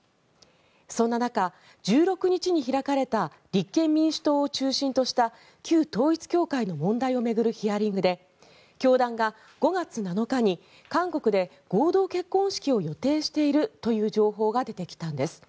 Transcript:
そんな中、１６日に開かれた立憲民主党を中心とした旧統一教会の問題を巡るヒアリングで教団が５月７日に韓国で合同結婚式を予定しているという情報が出てきたんです。